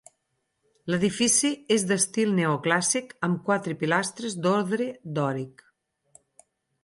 L'edifici és d'estil neoclàssic amb quatre pilastres d'ordre dòric.